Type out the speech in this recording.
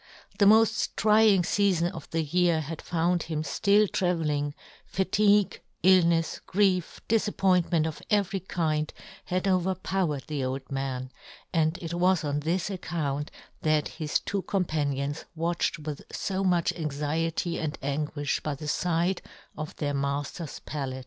The moft trying feafon of the year had found him ftill travelling ; fatigue, illnefs, grief, difappointment of every kind, had overpow^ered the old man, and it was on this account that his two com panions watched with fo much anx iety and anguifh by the fide of their mailer's pallet.